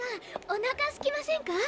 おなかすきませんか？